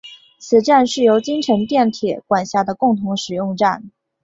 此站是由京成电铁管辖的共同使用站。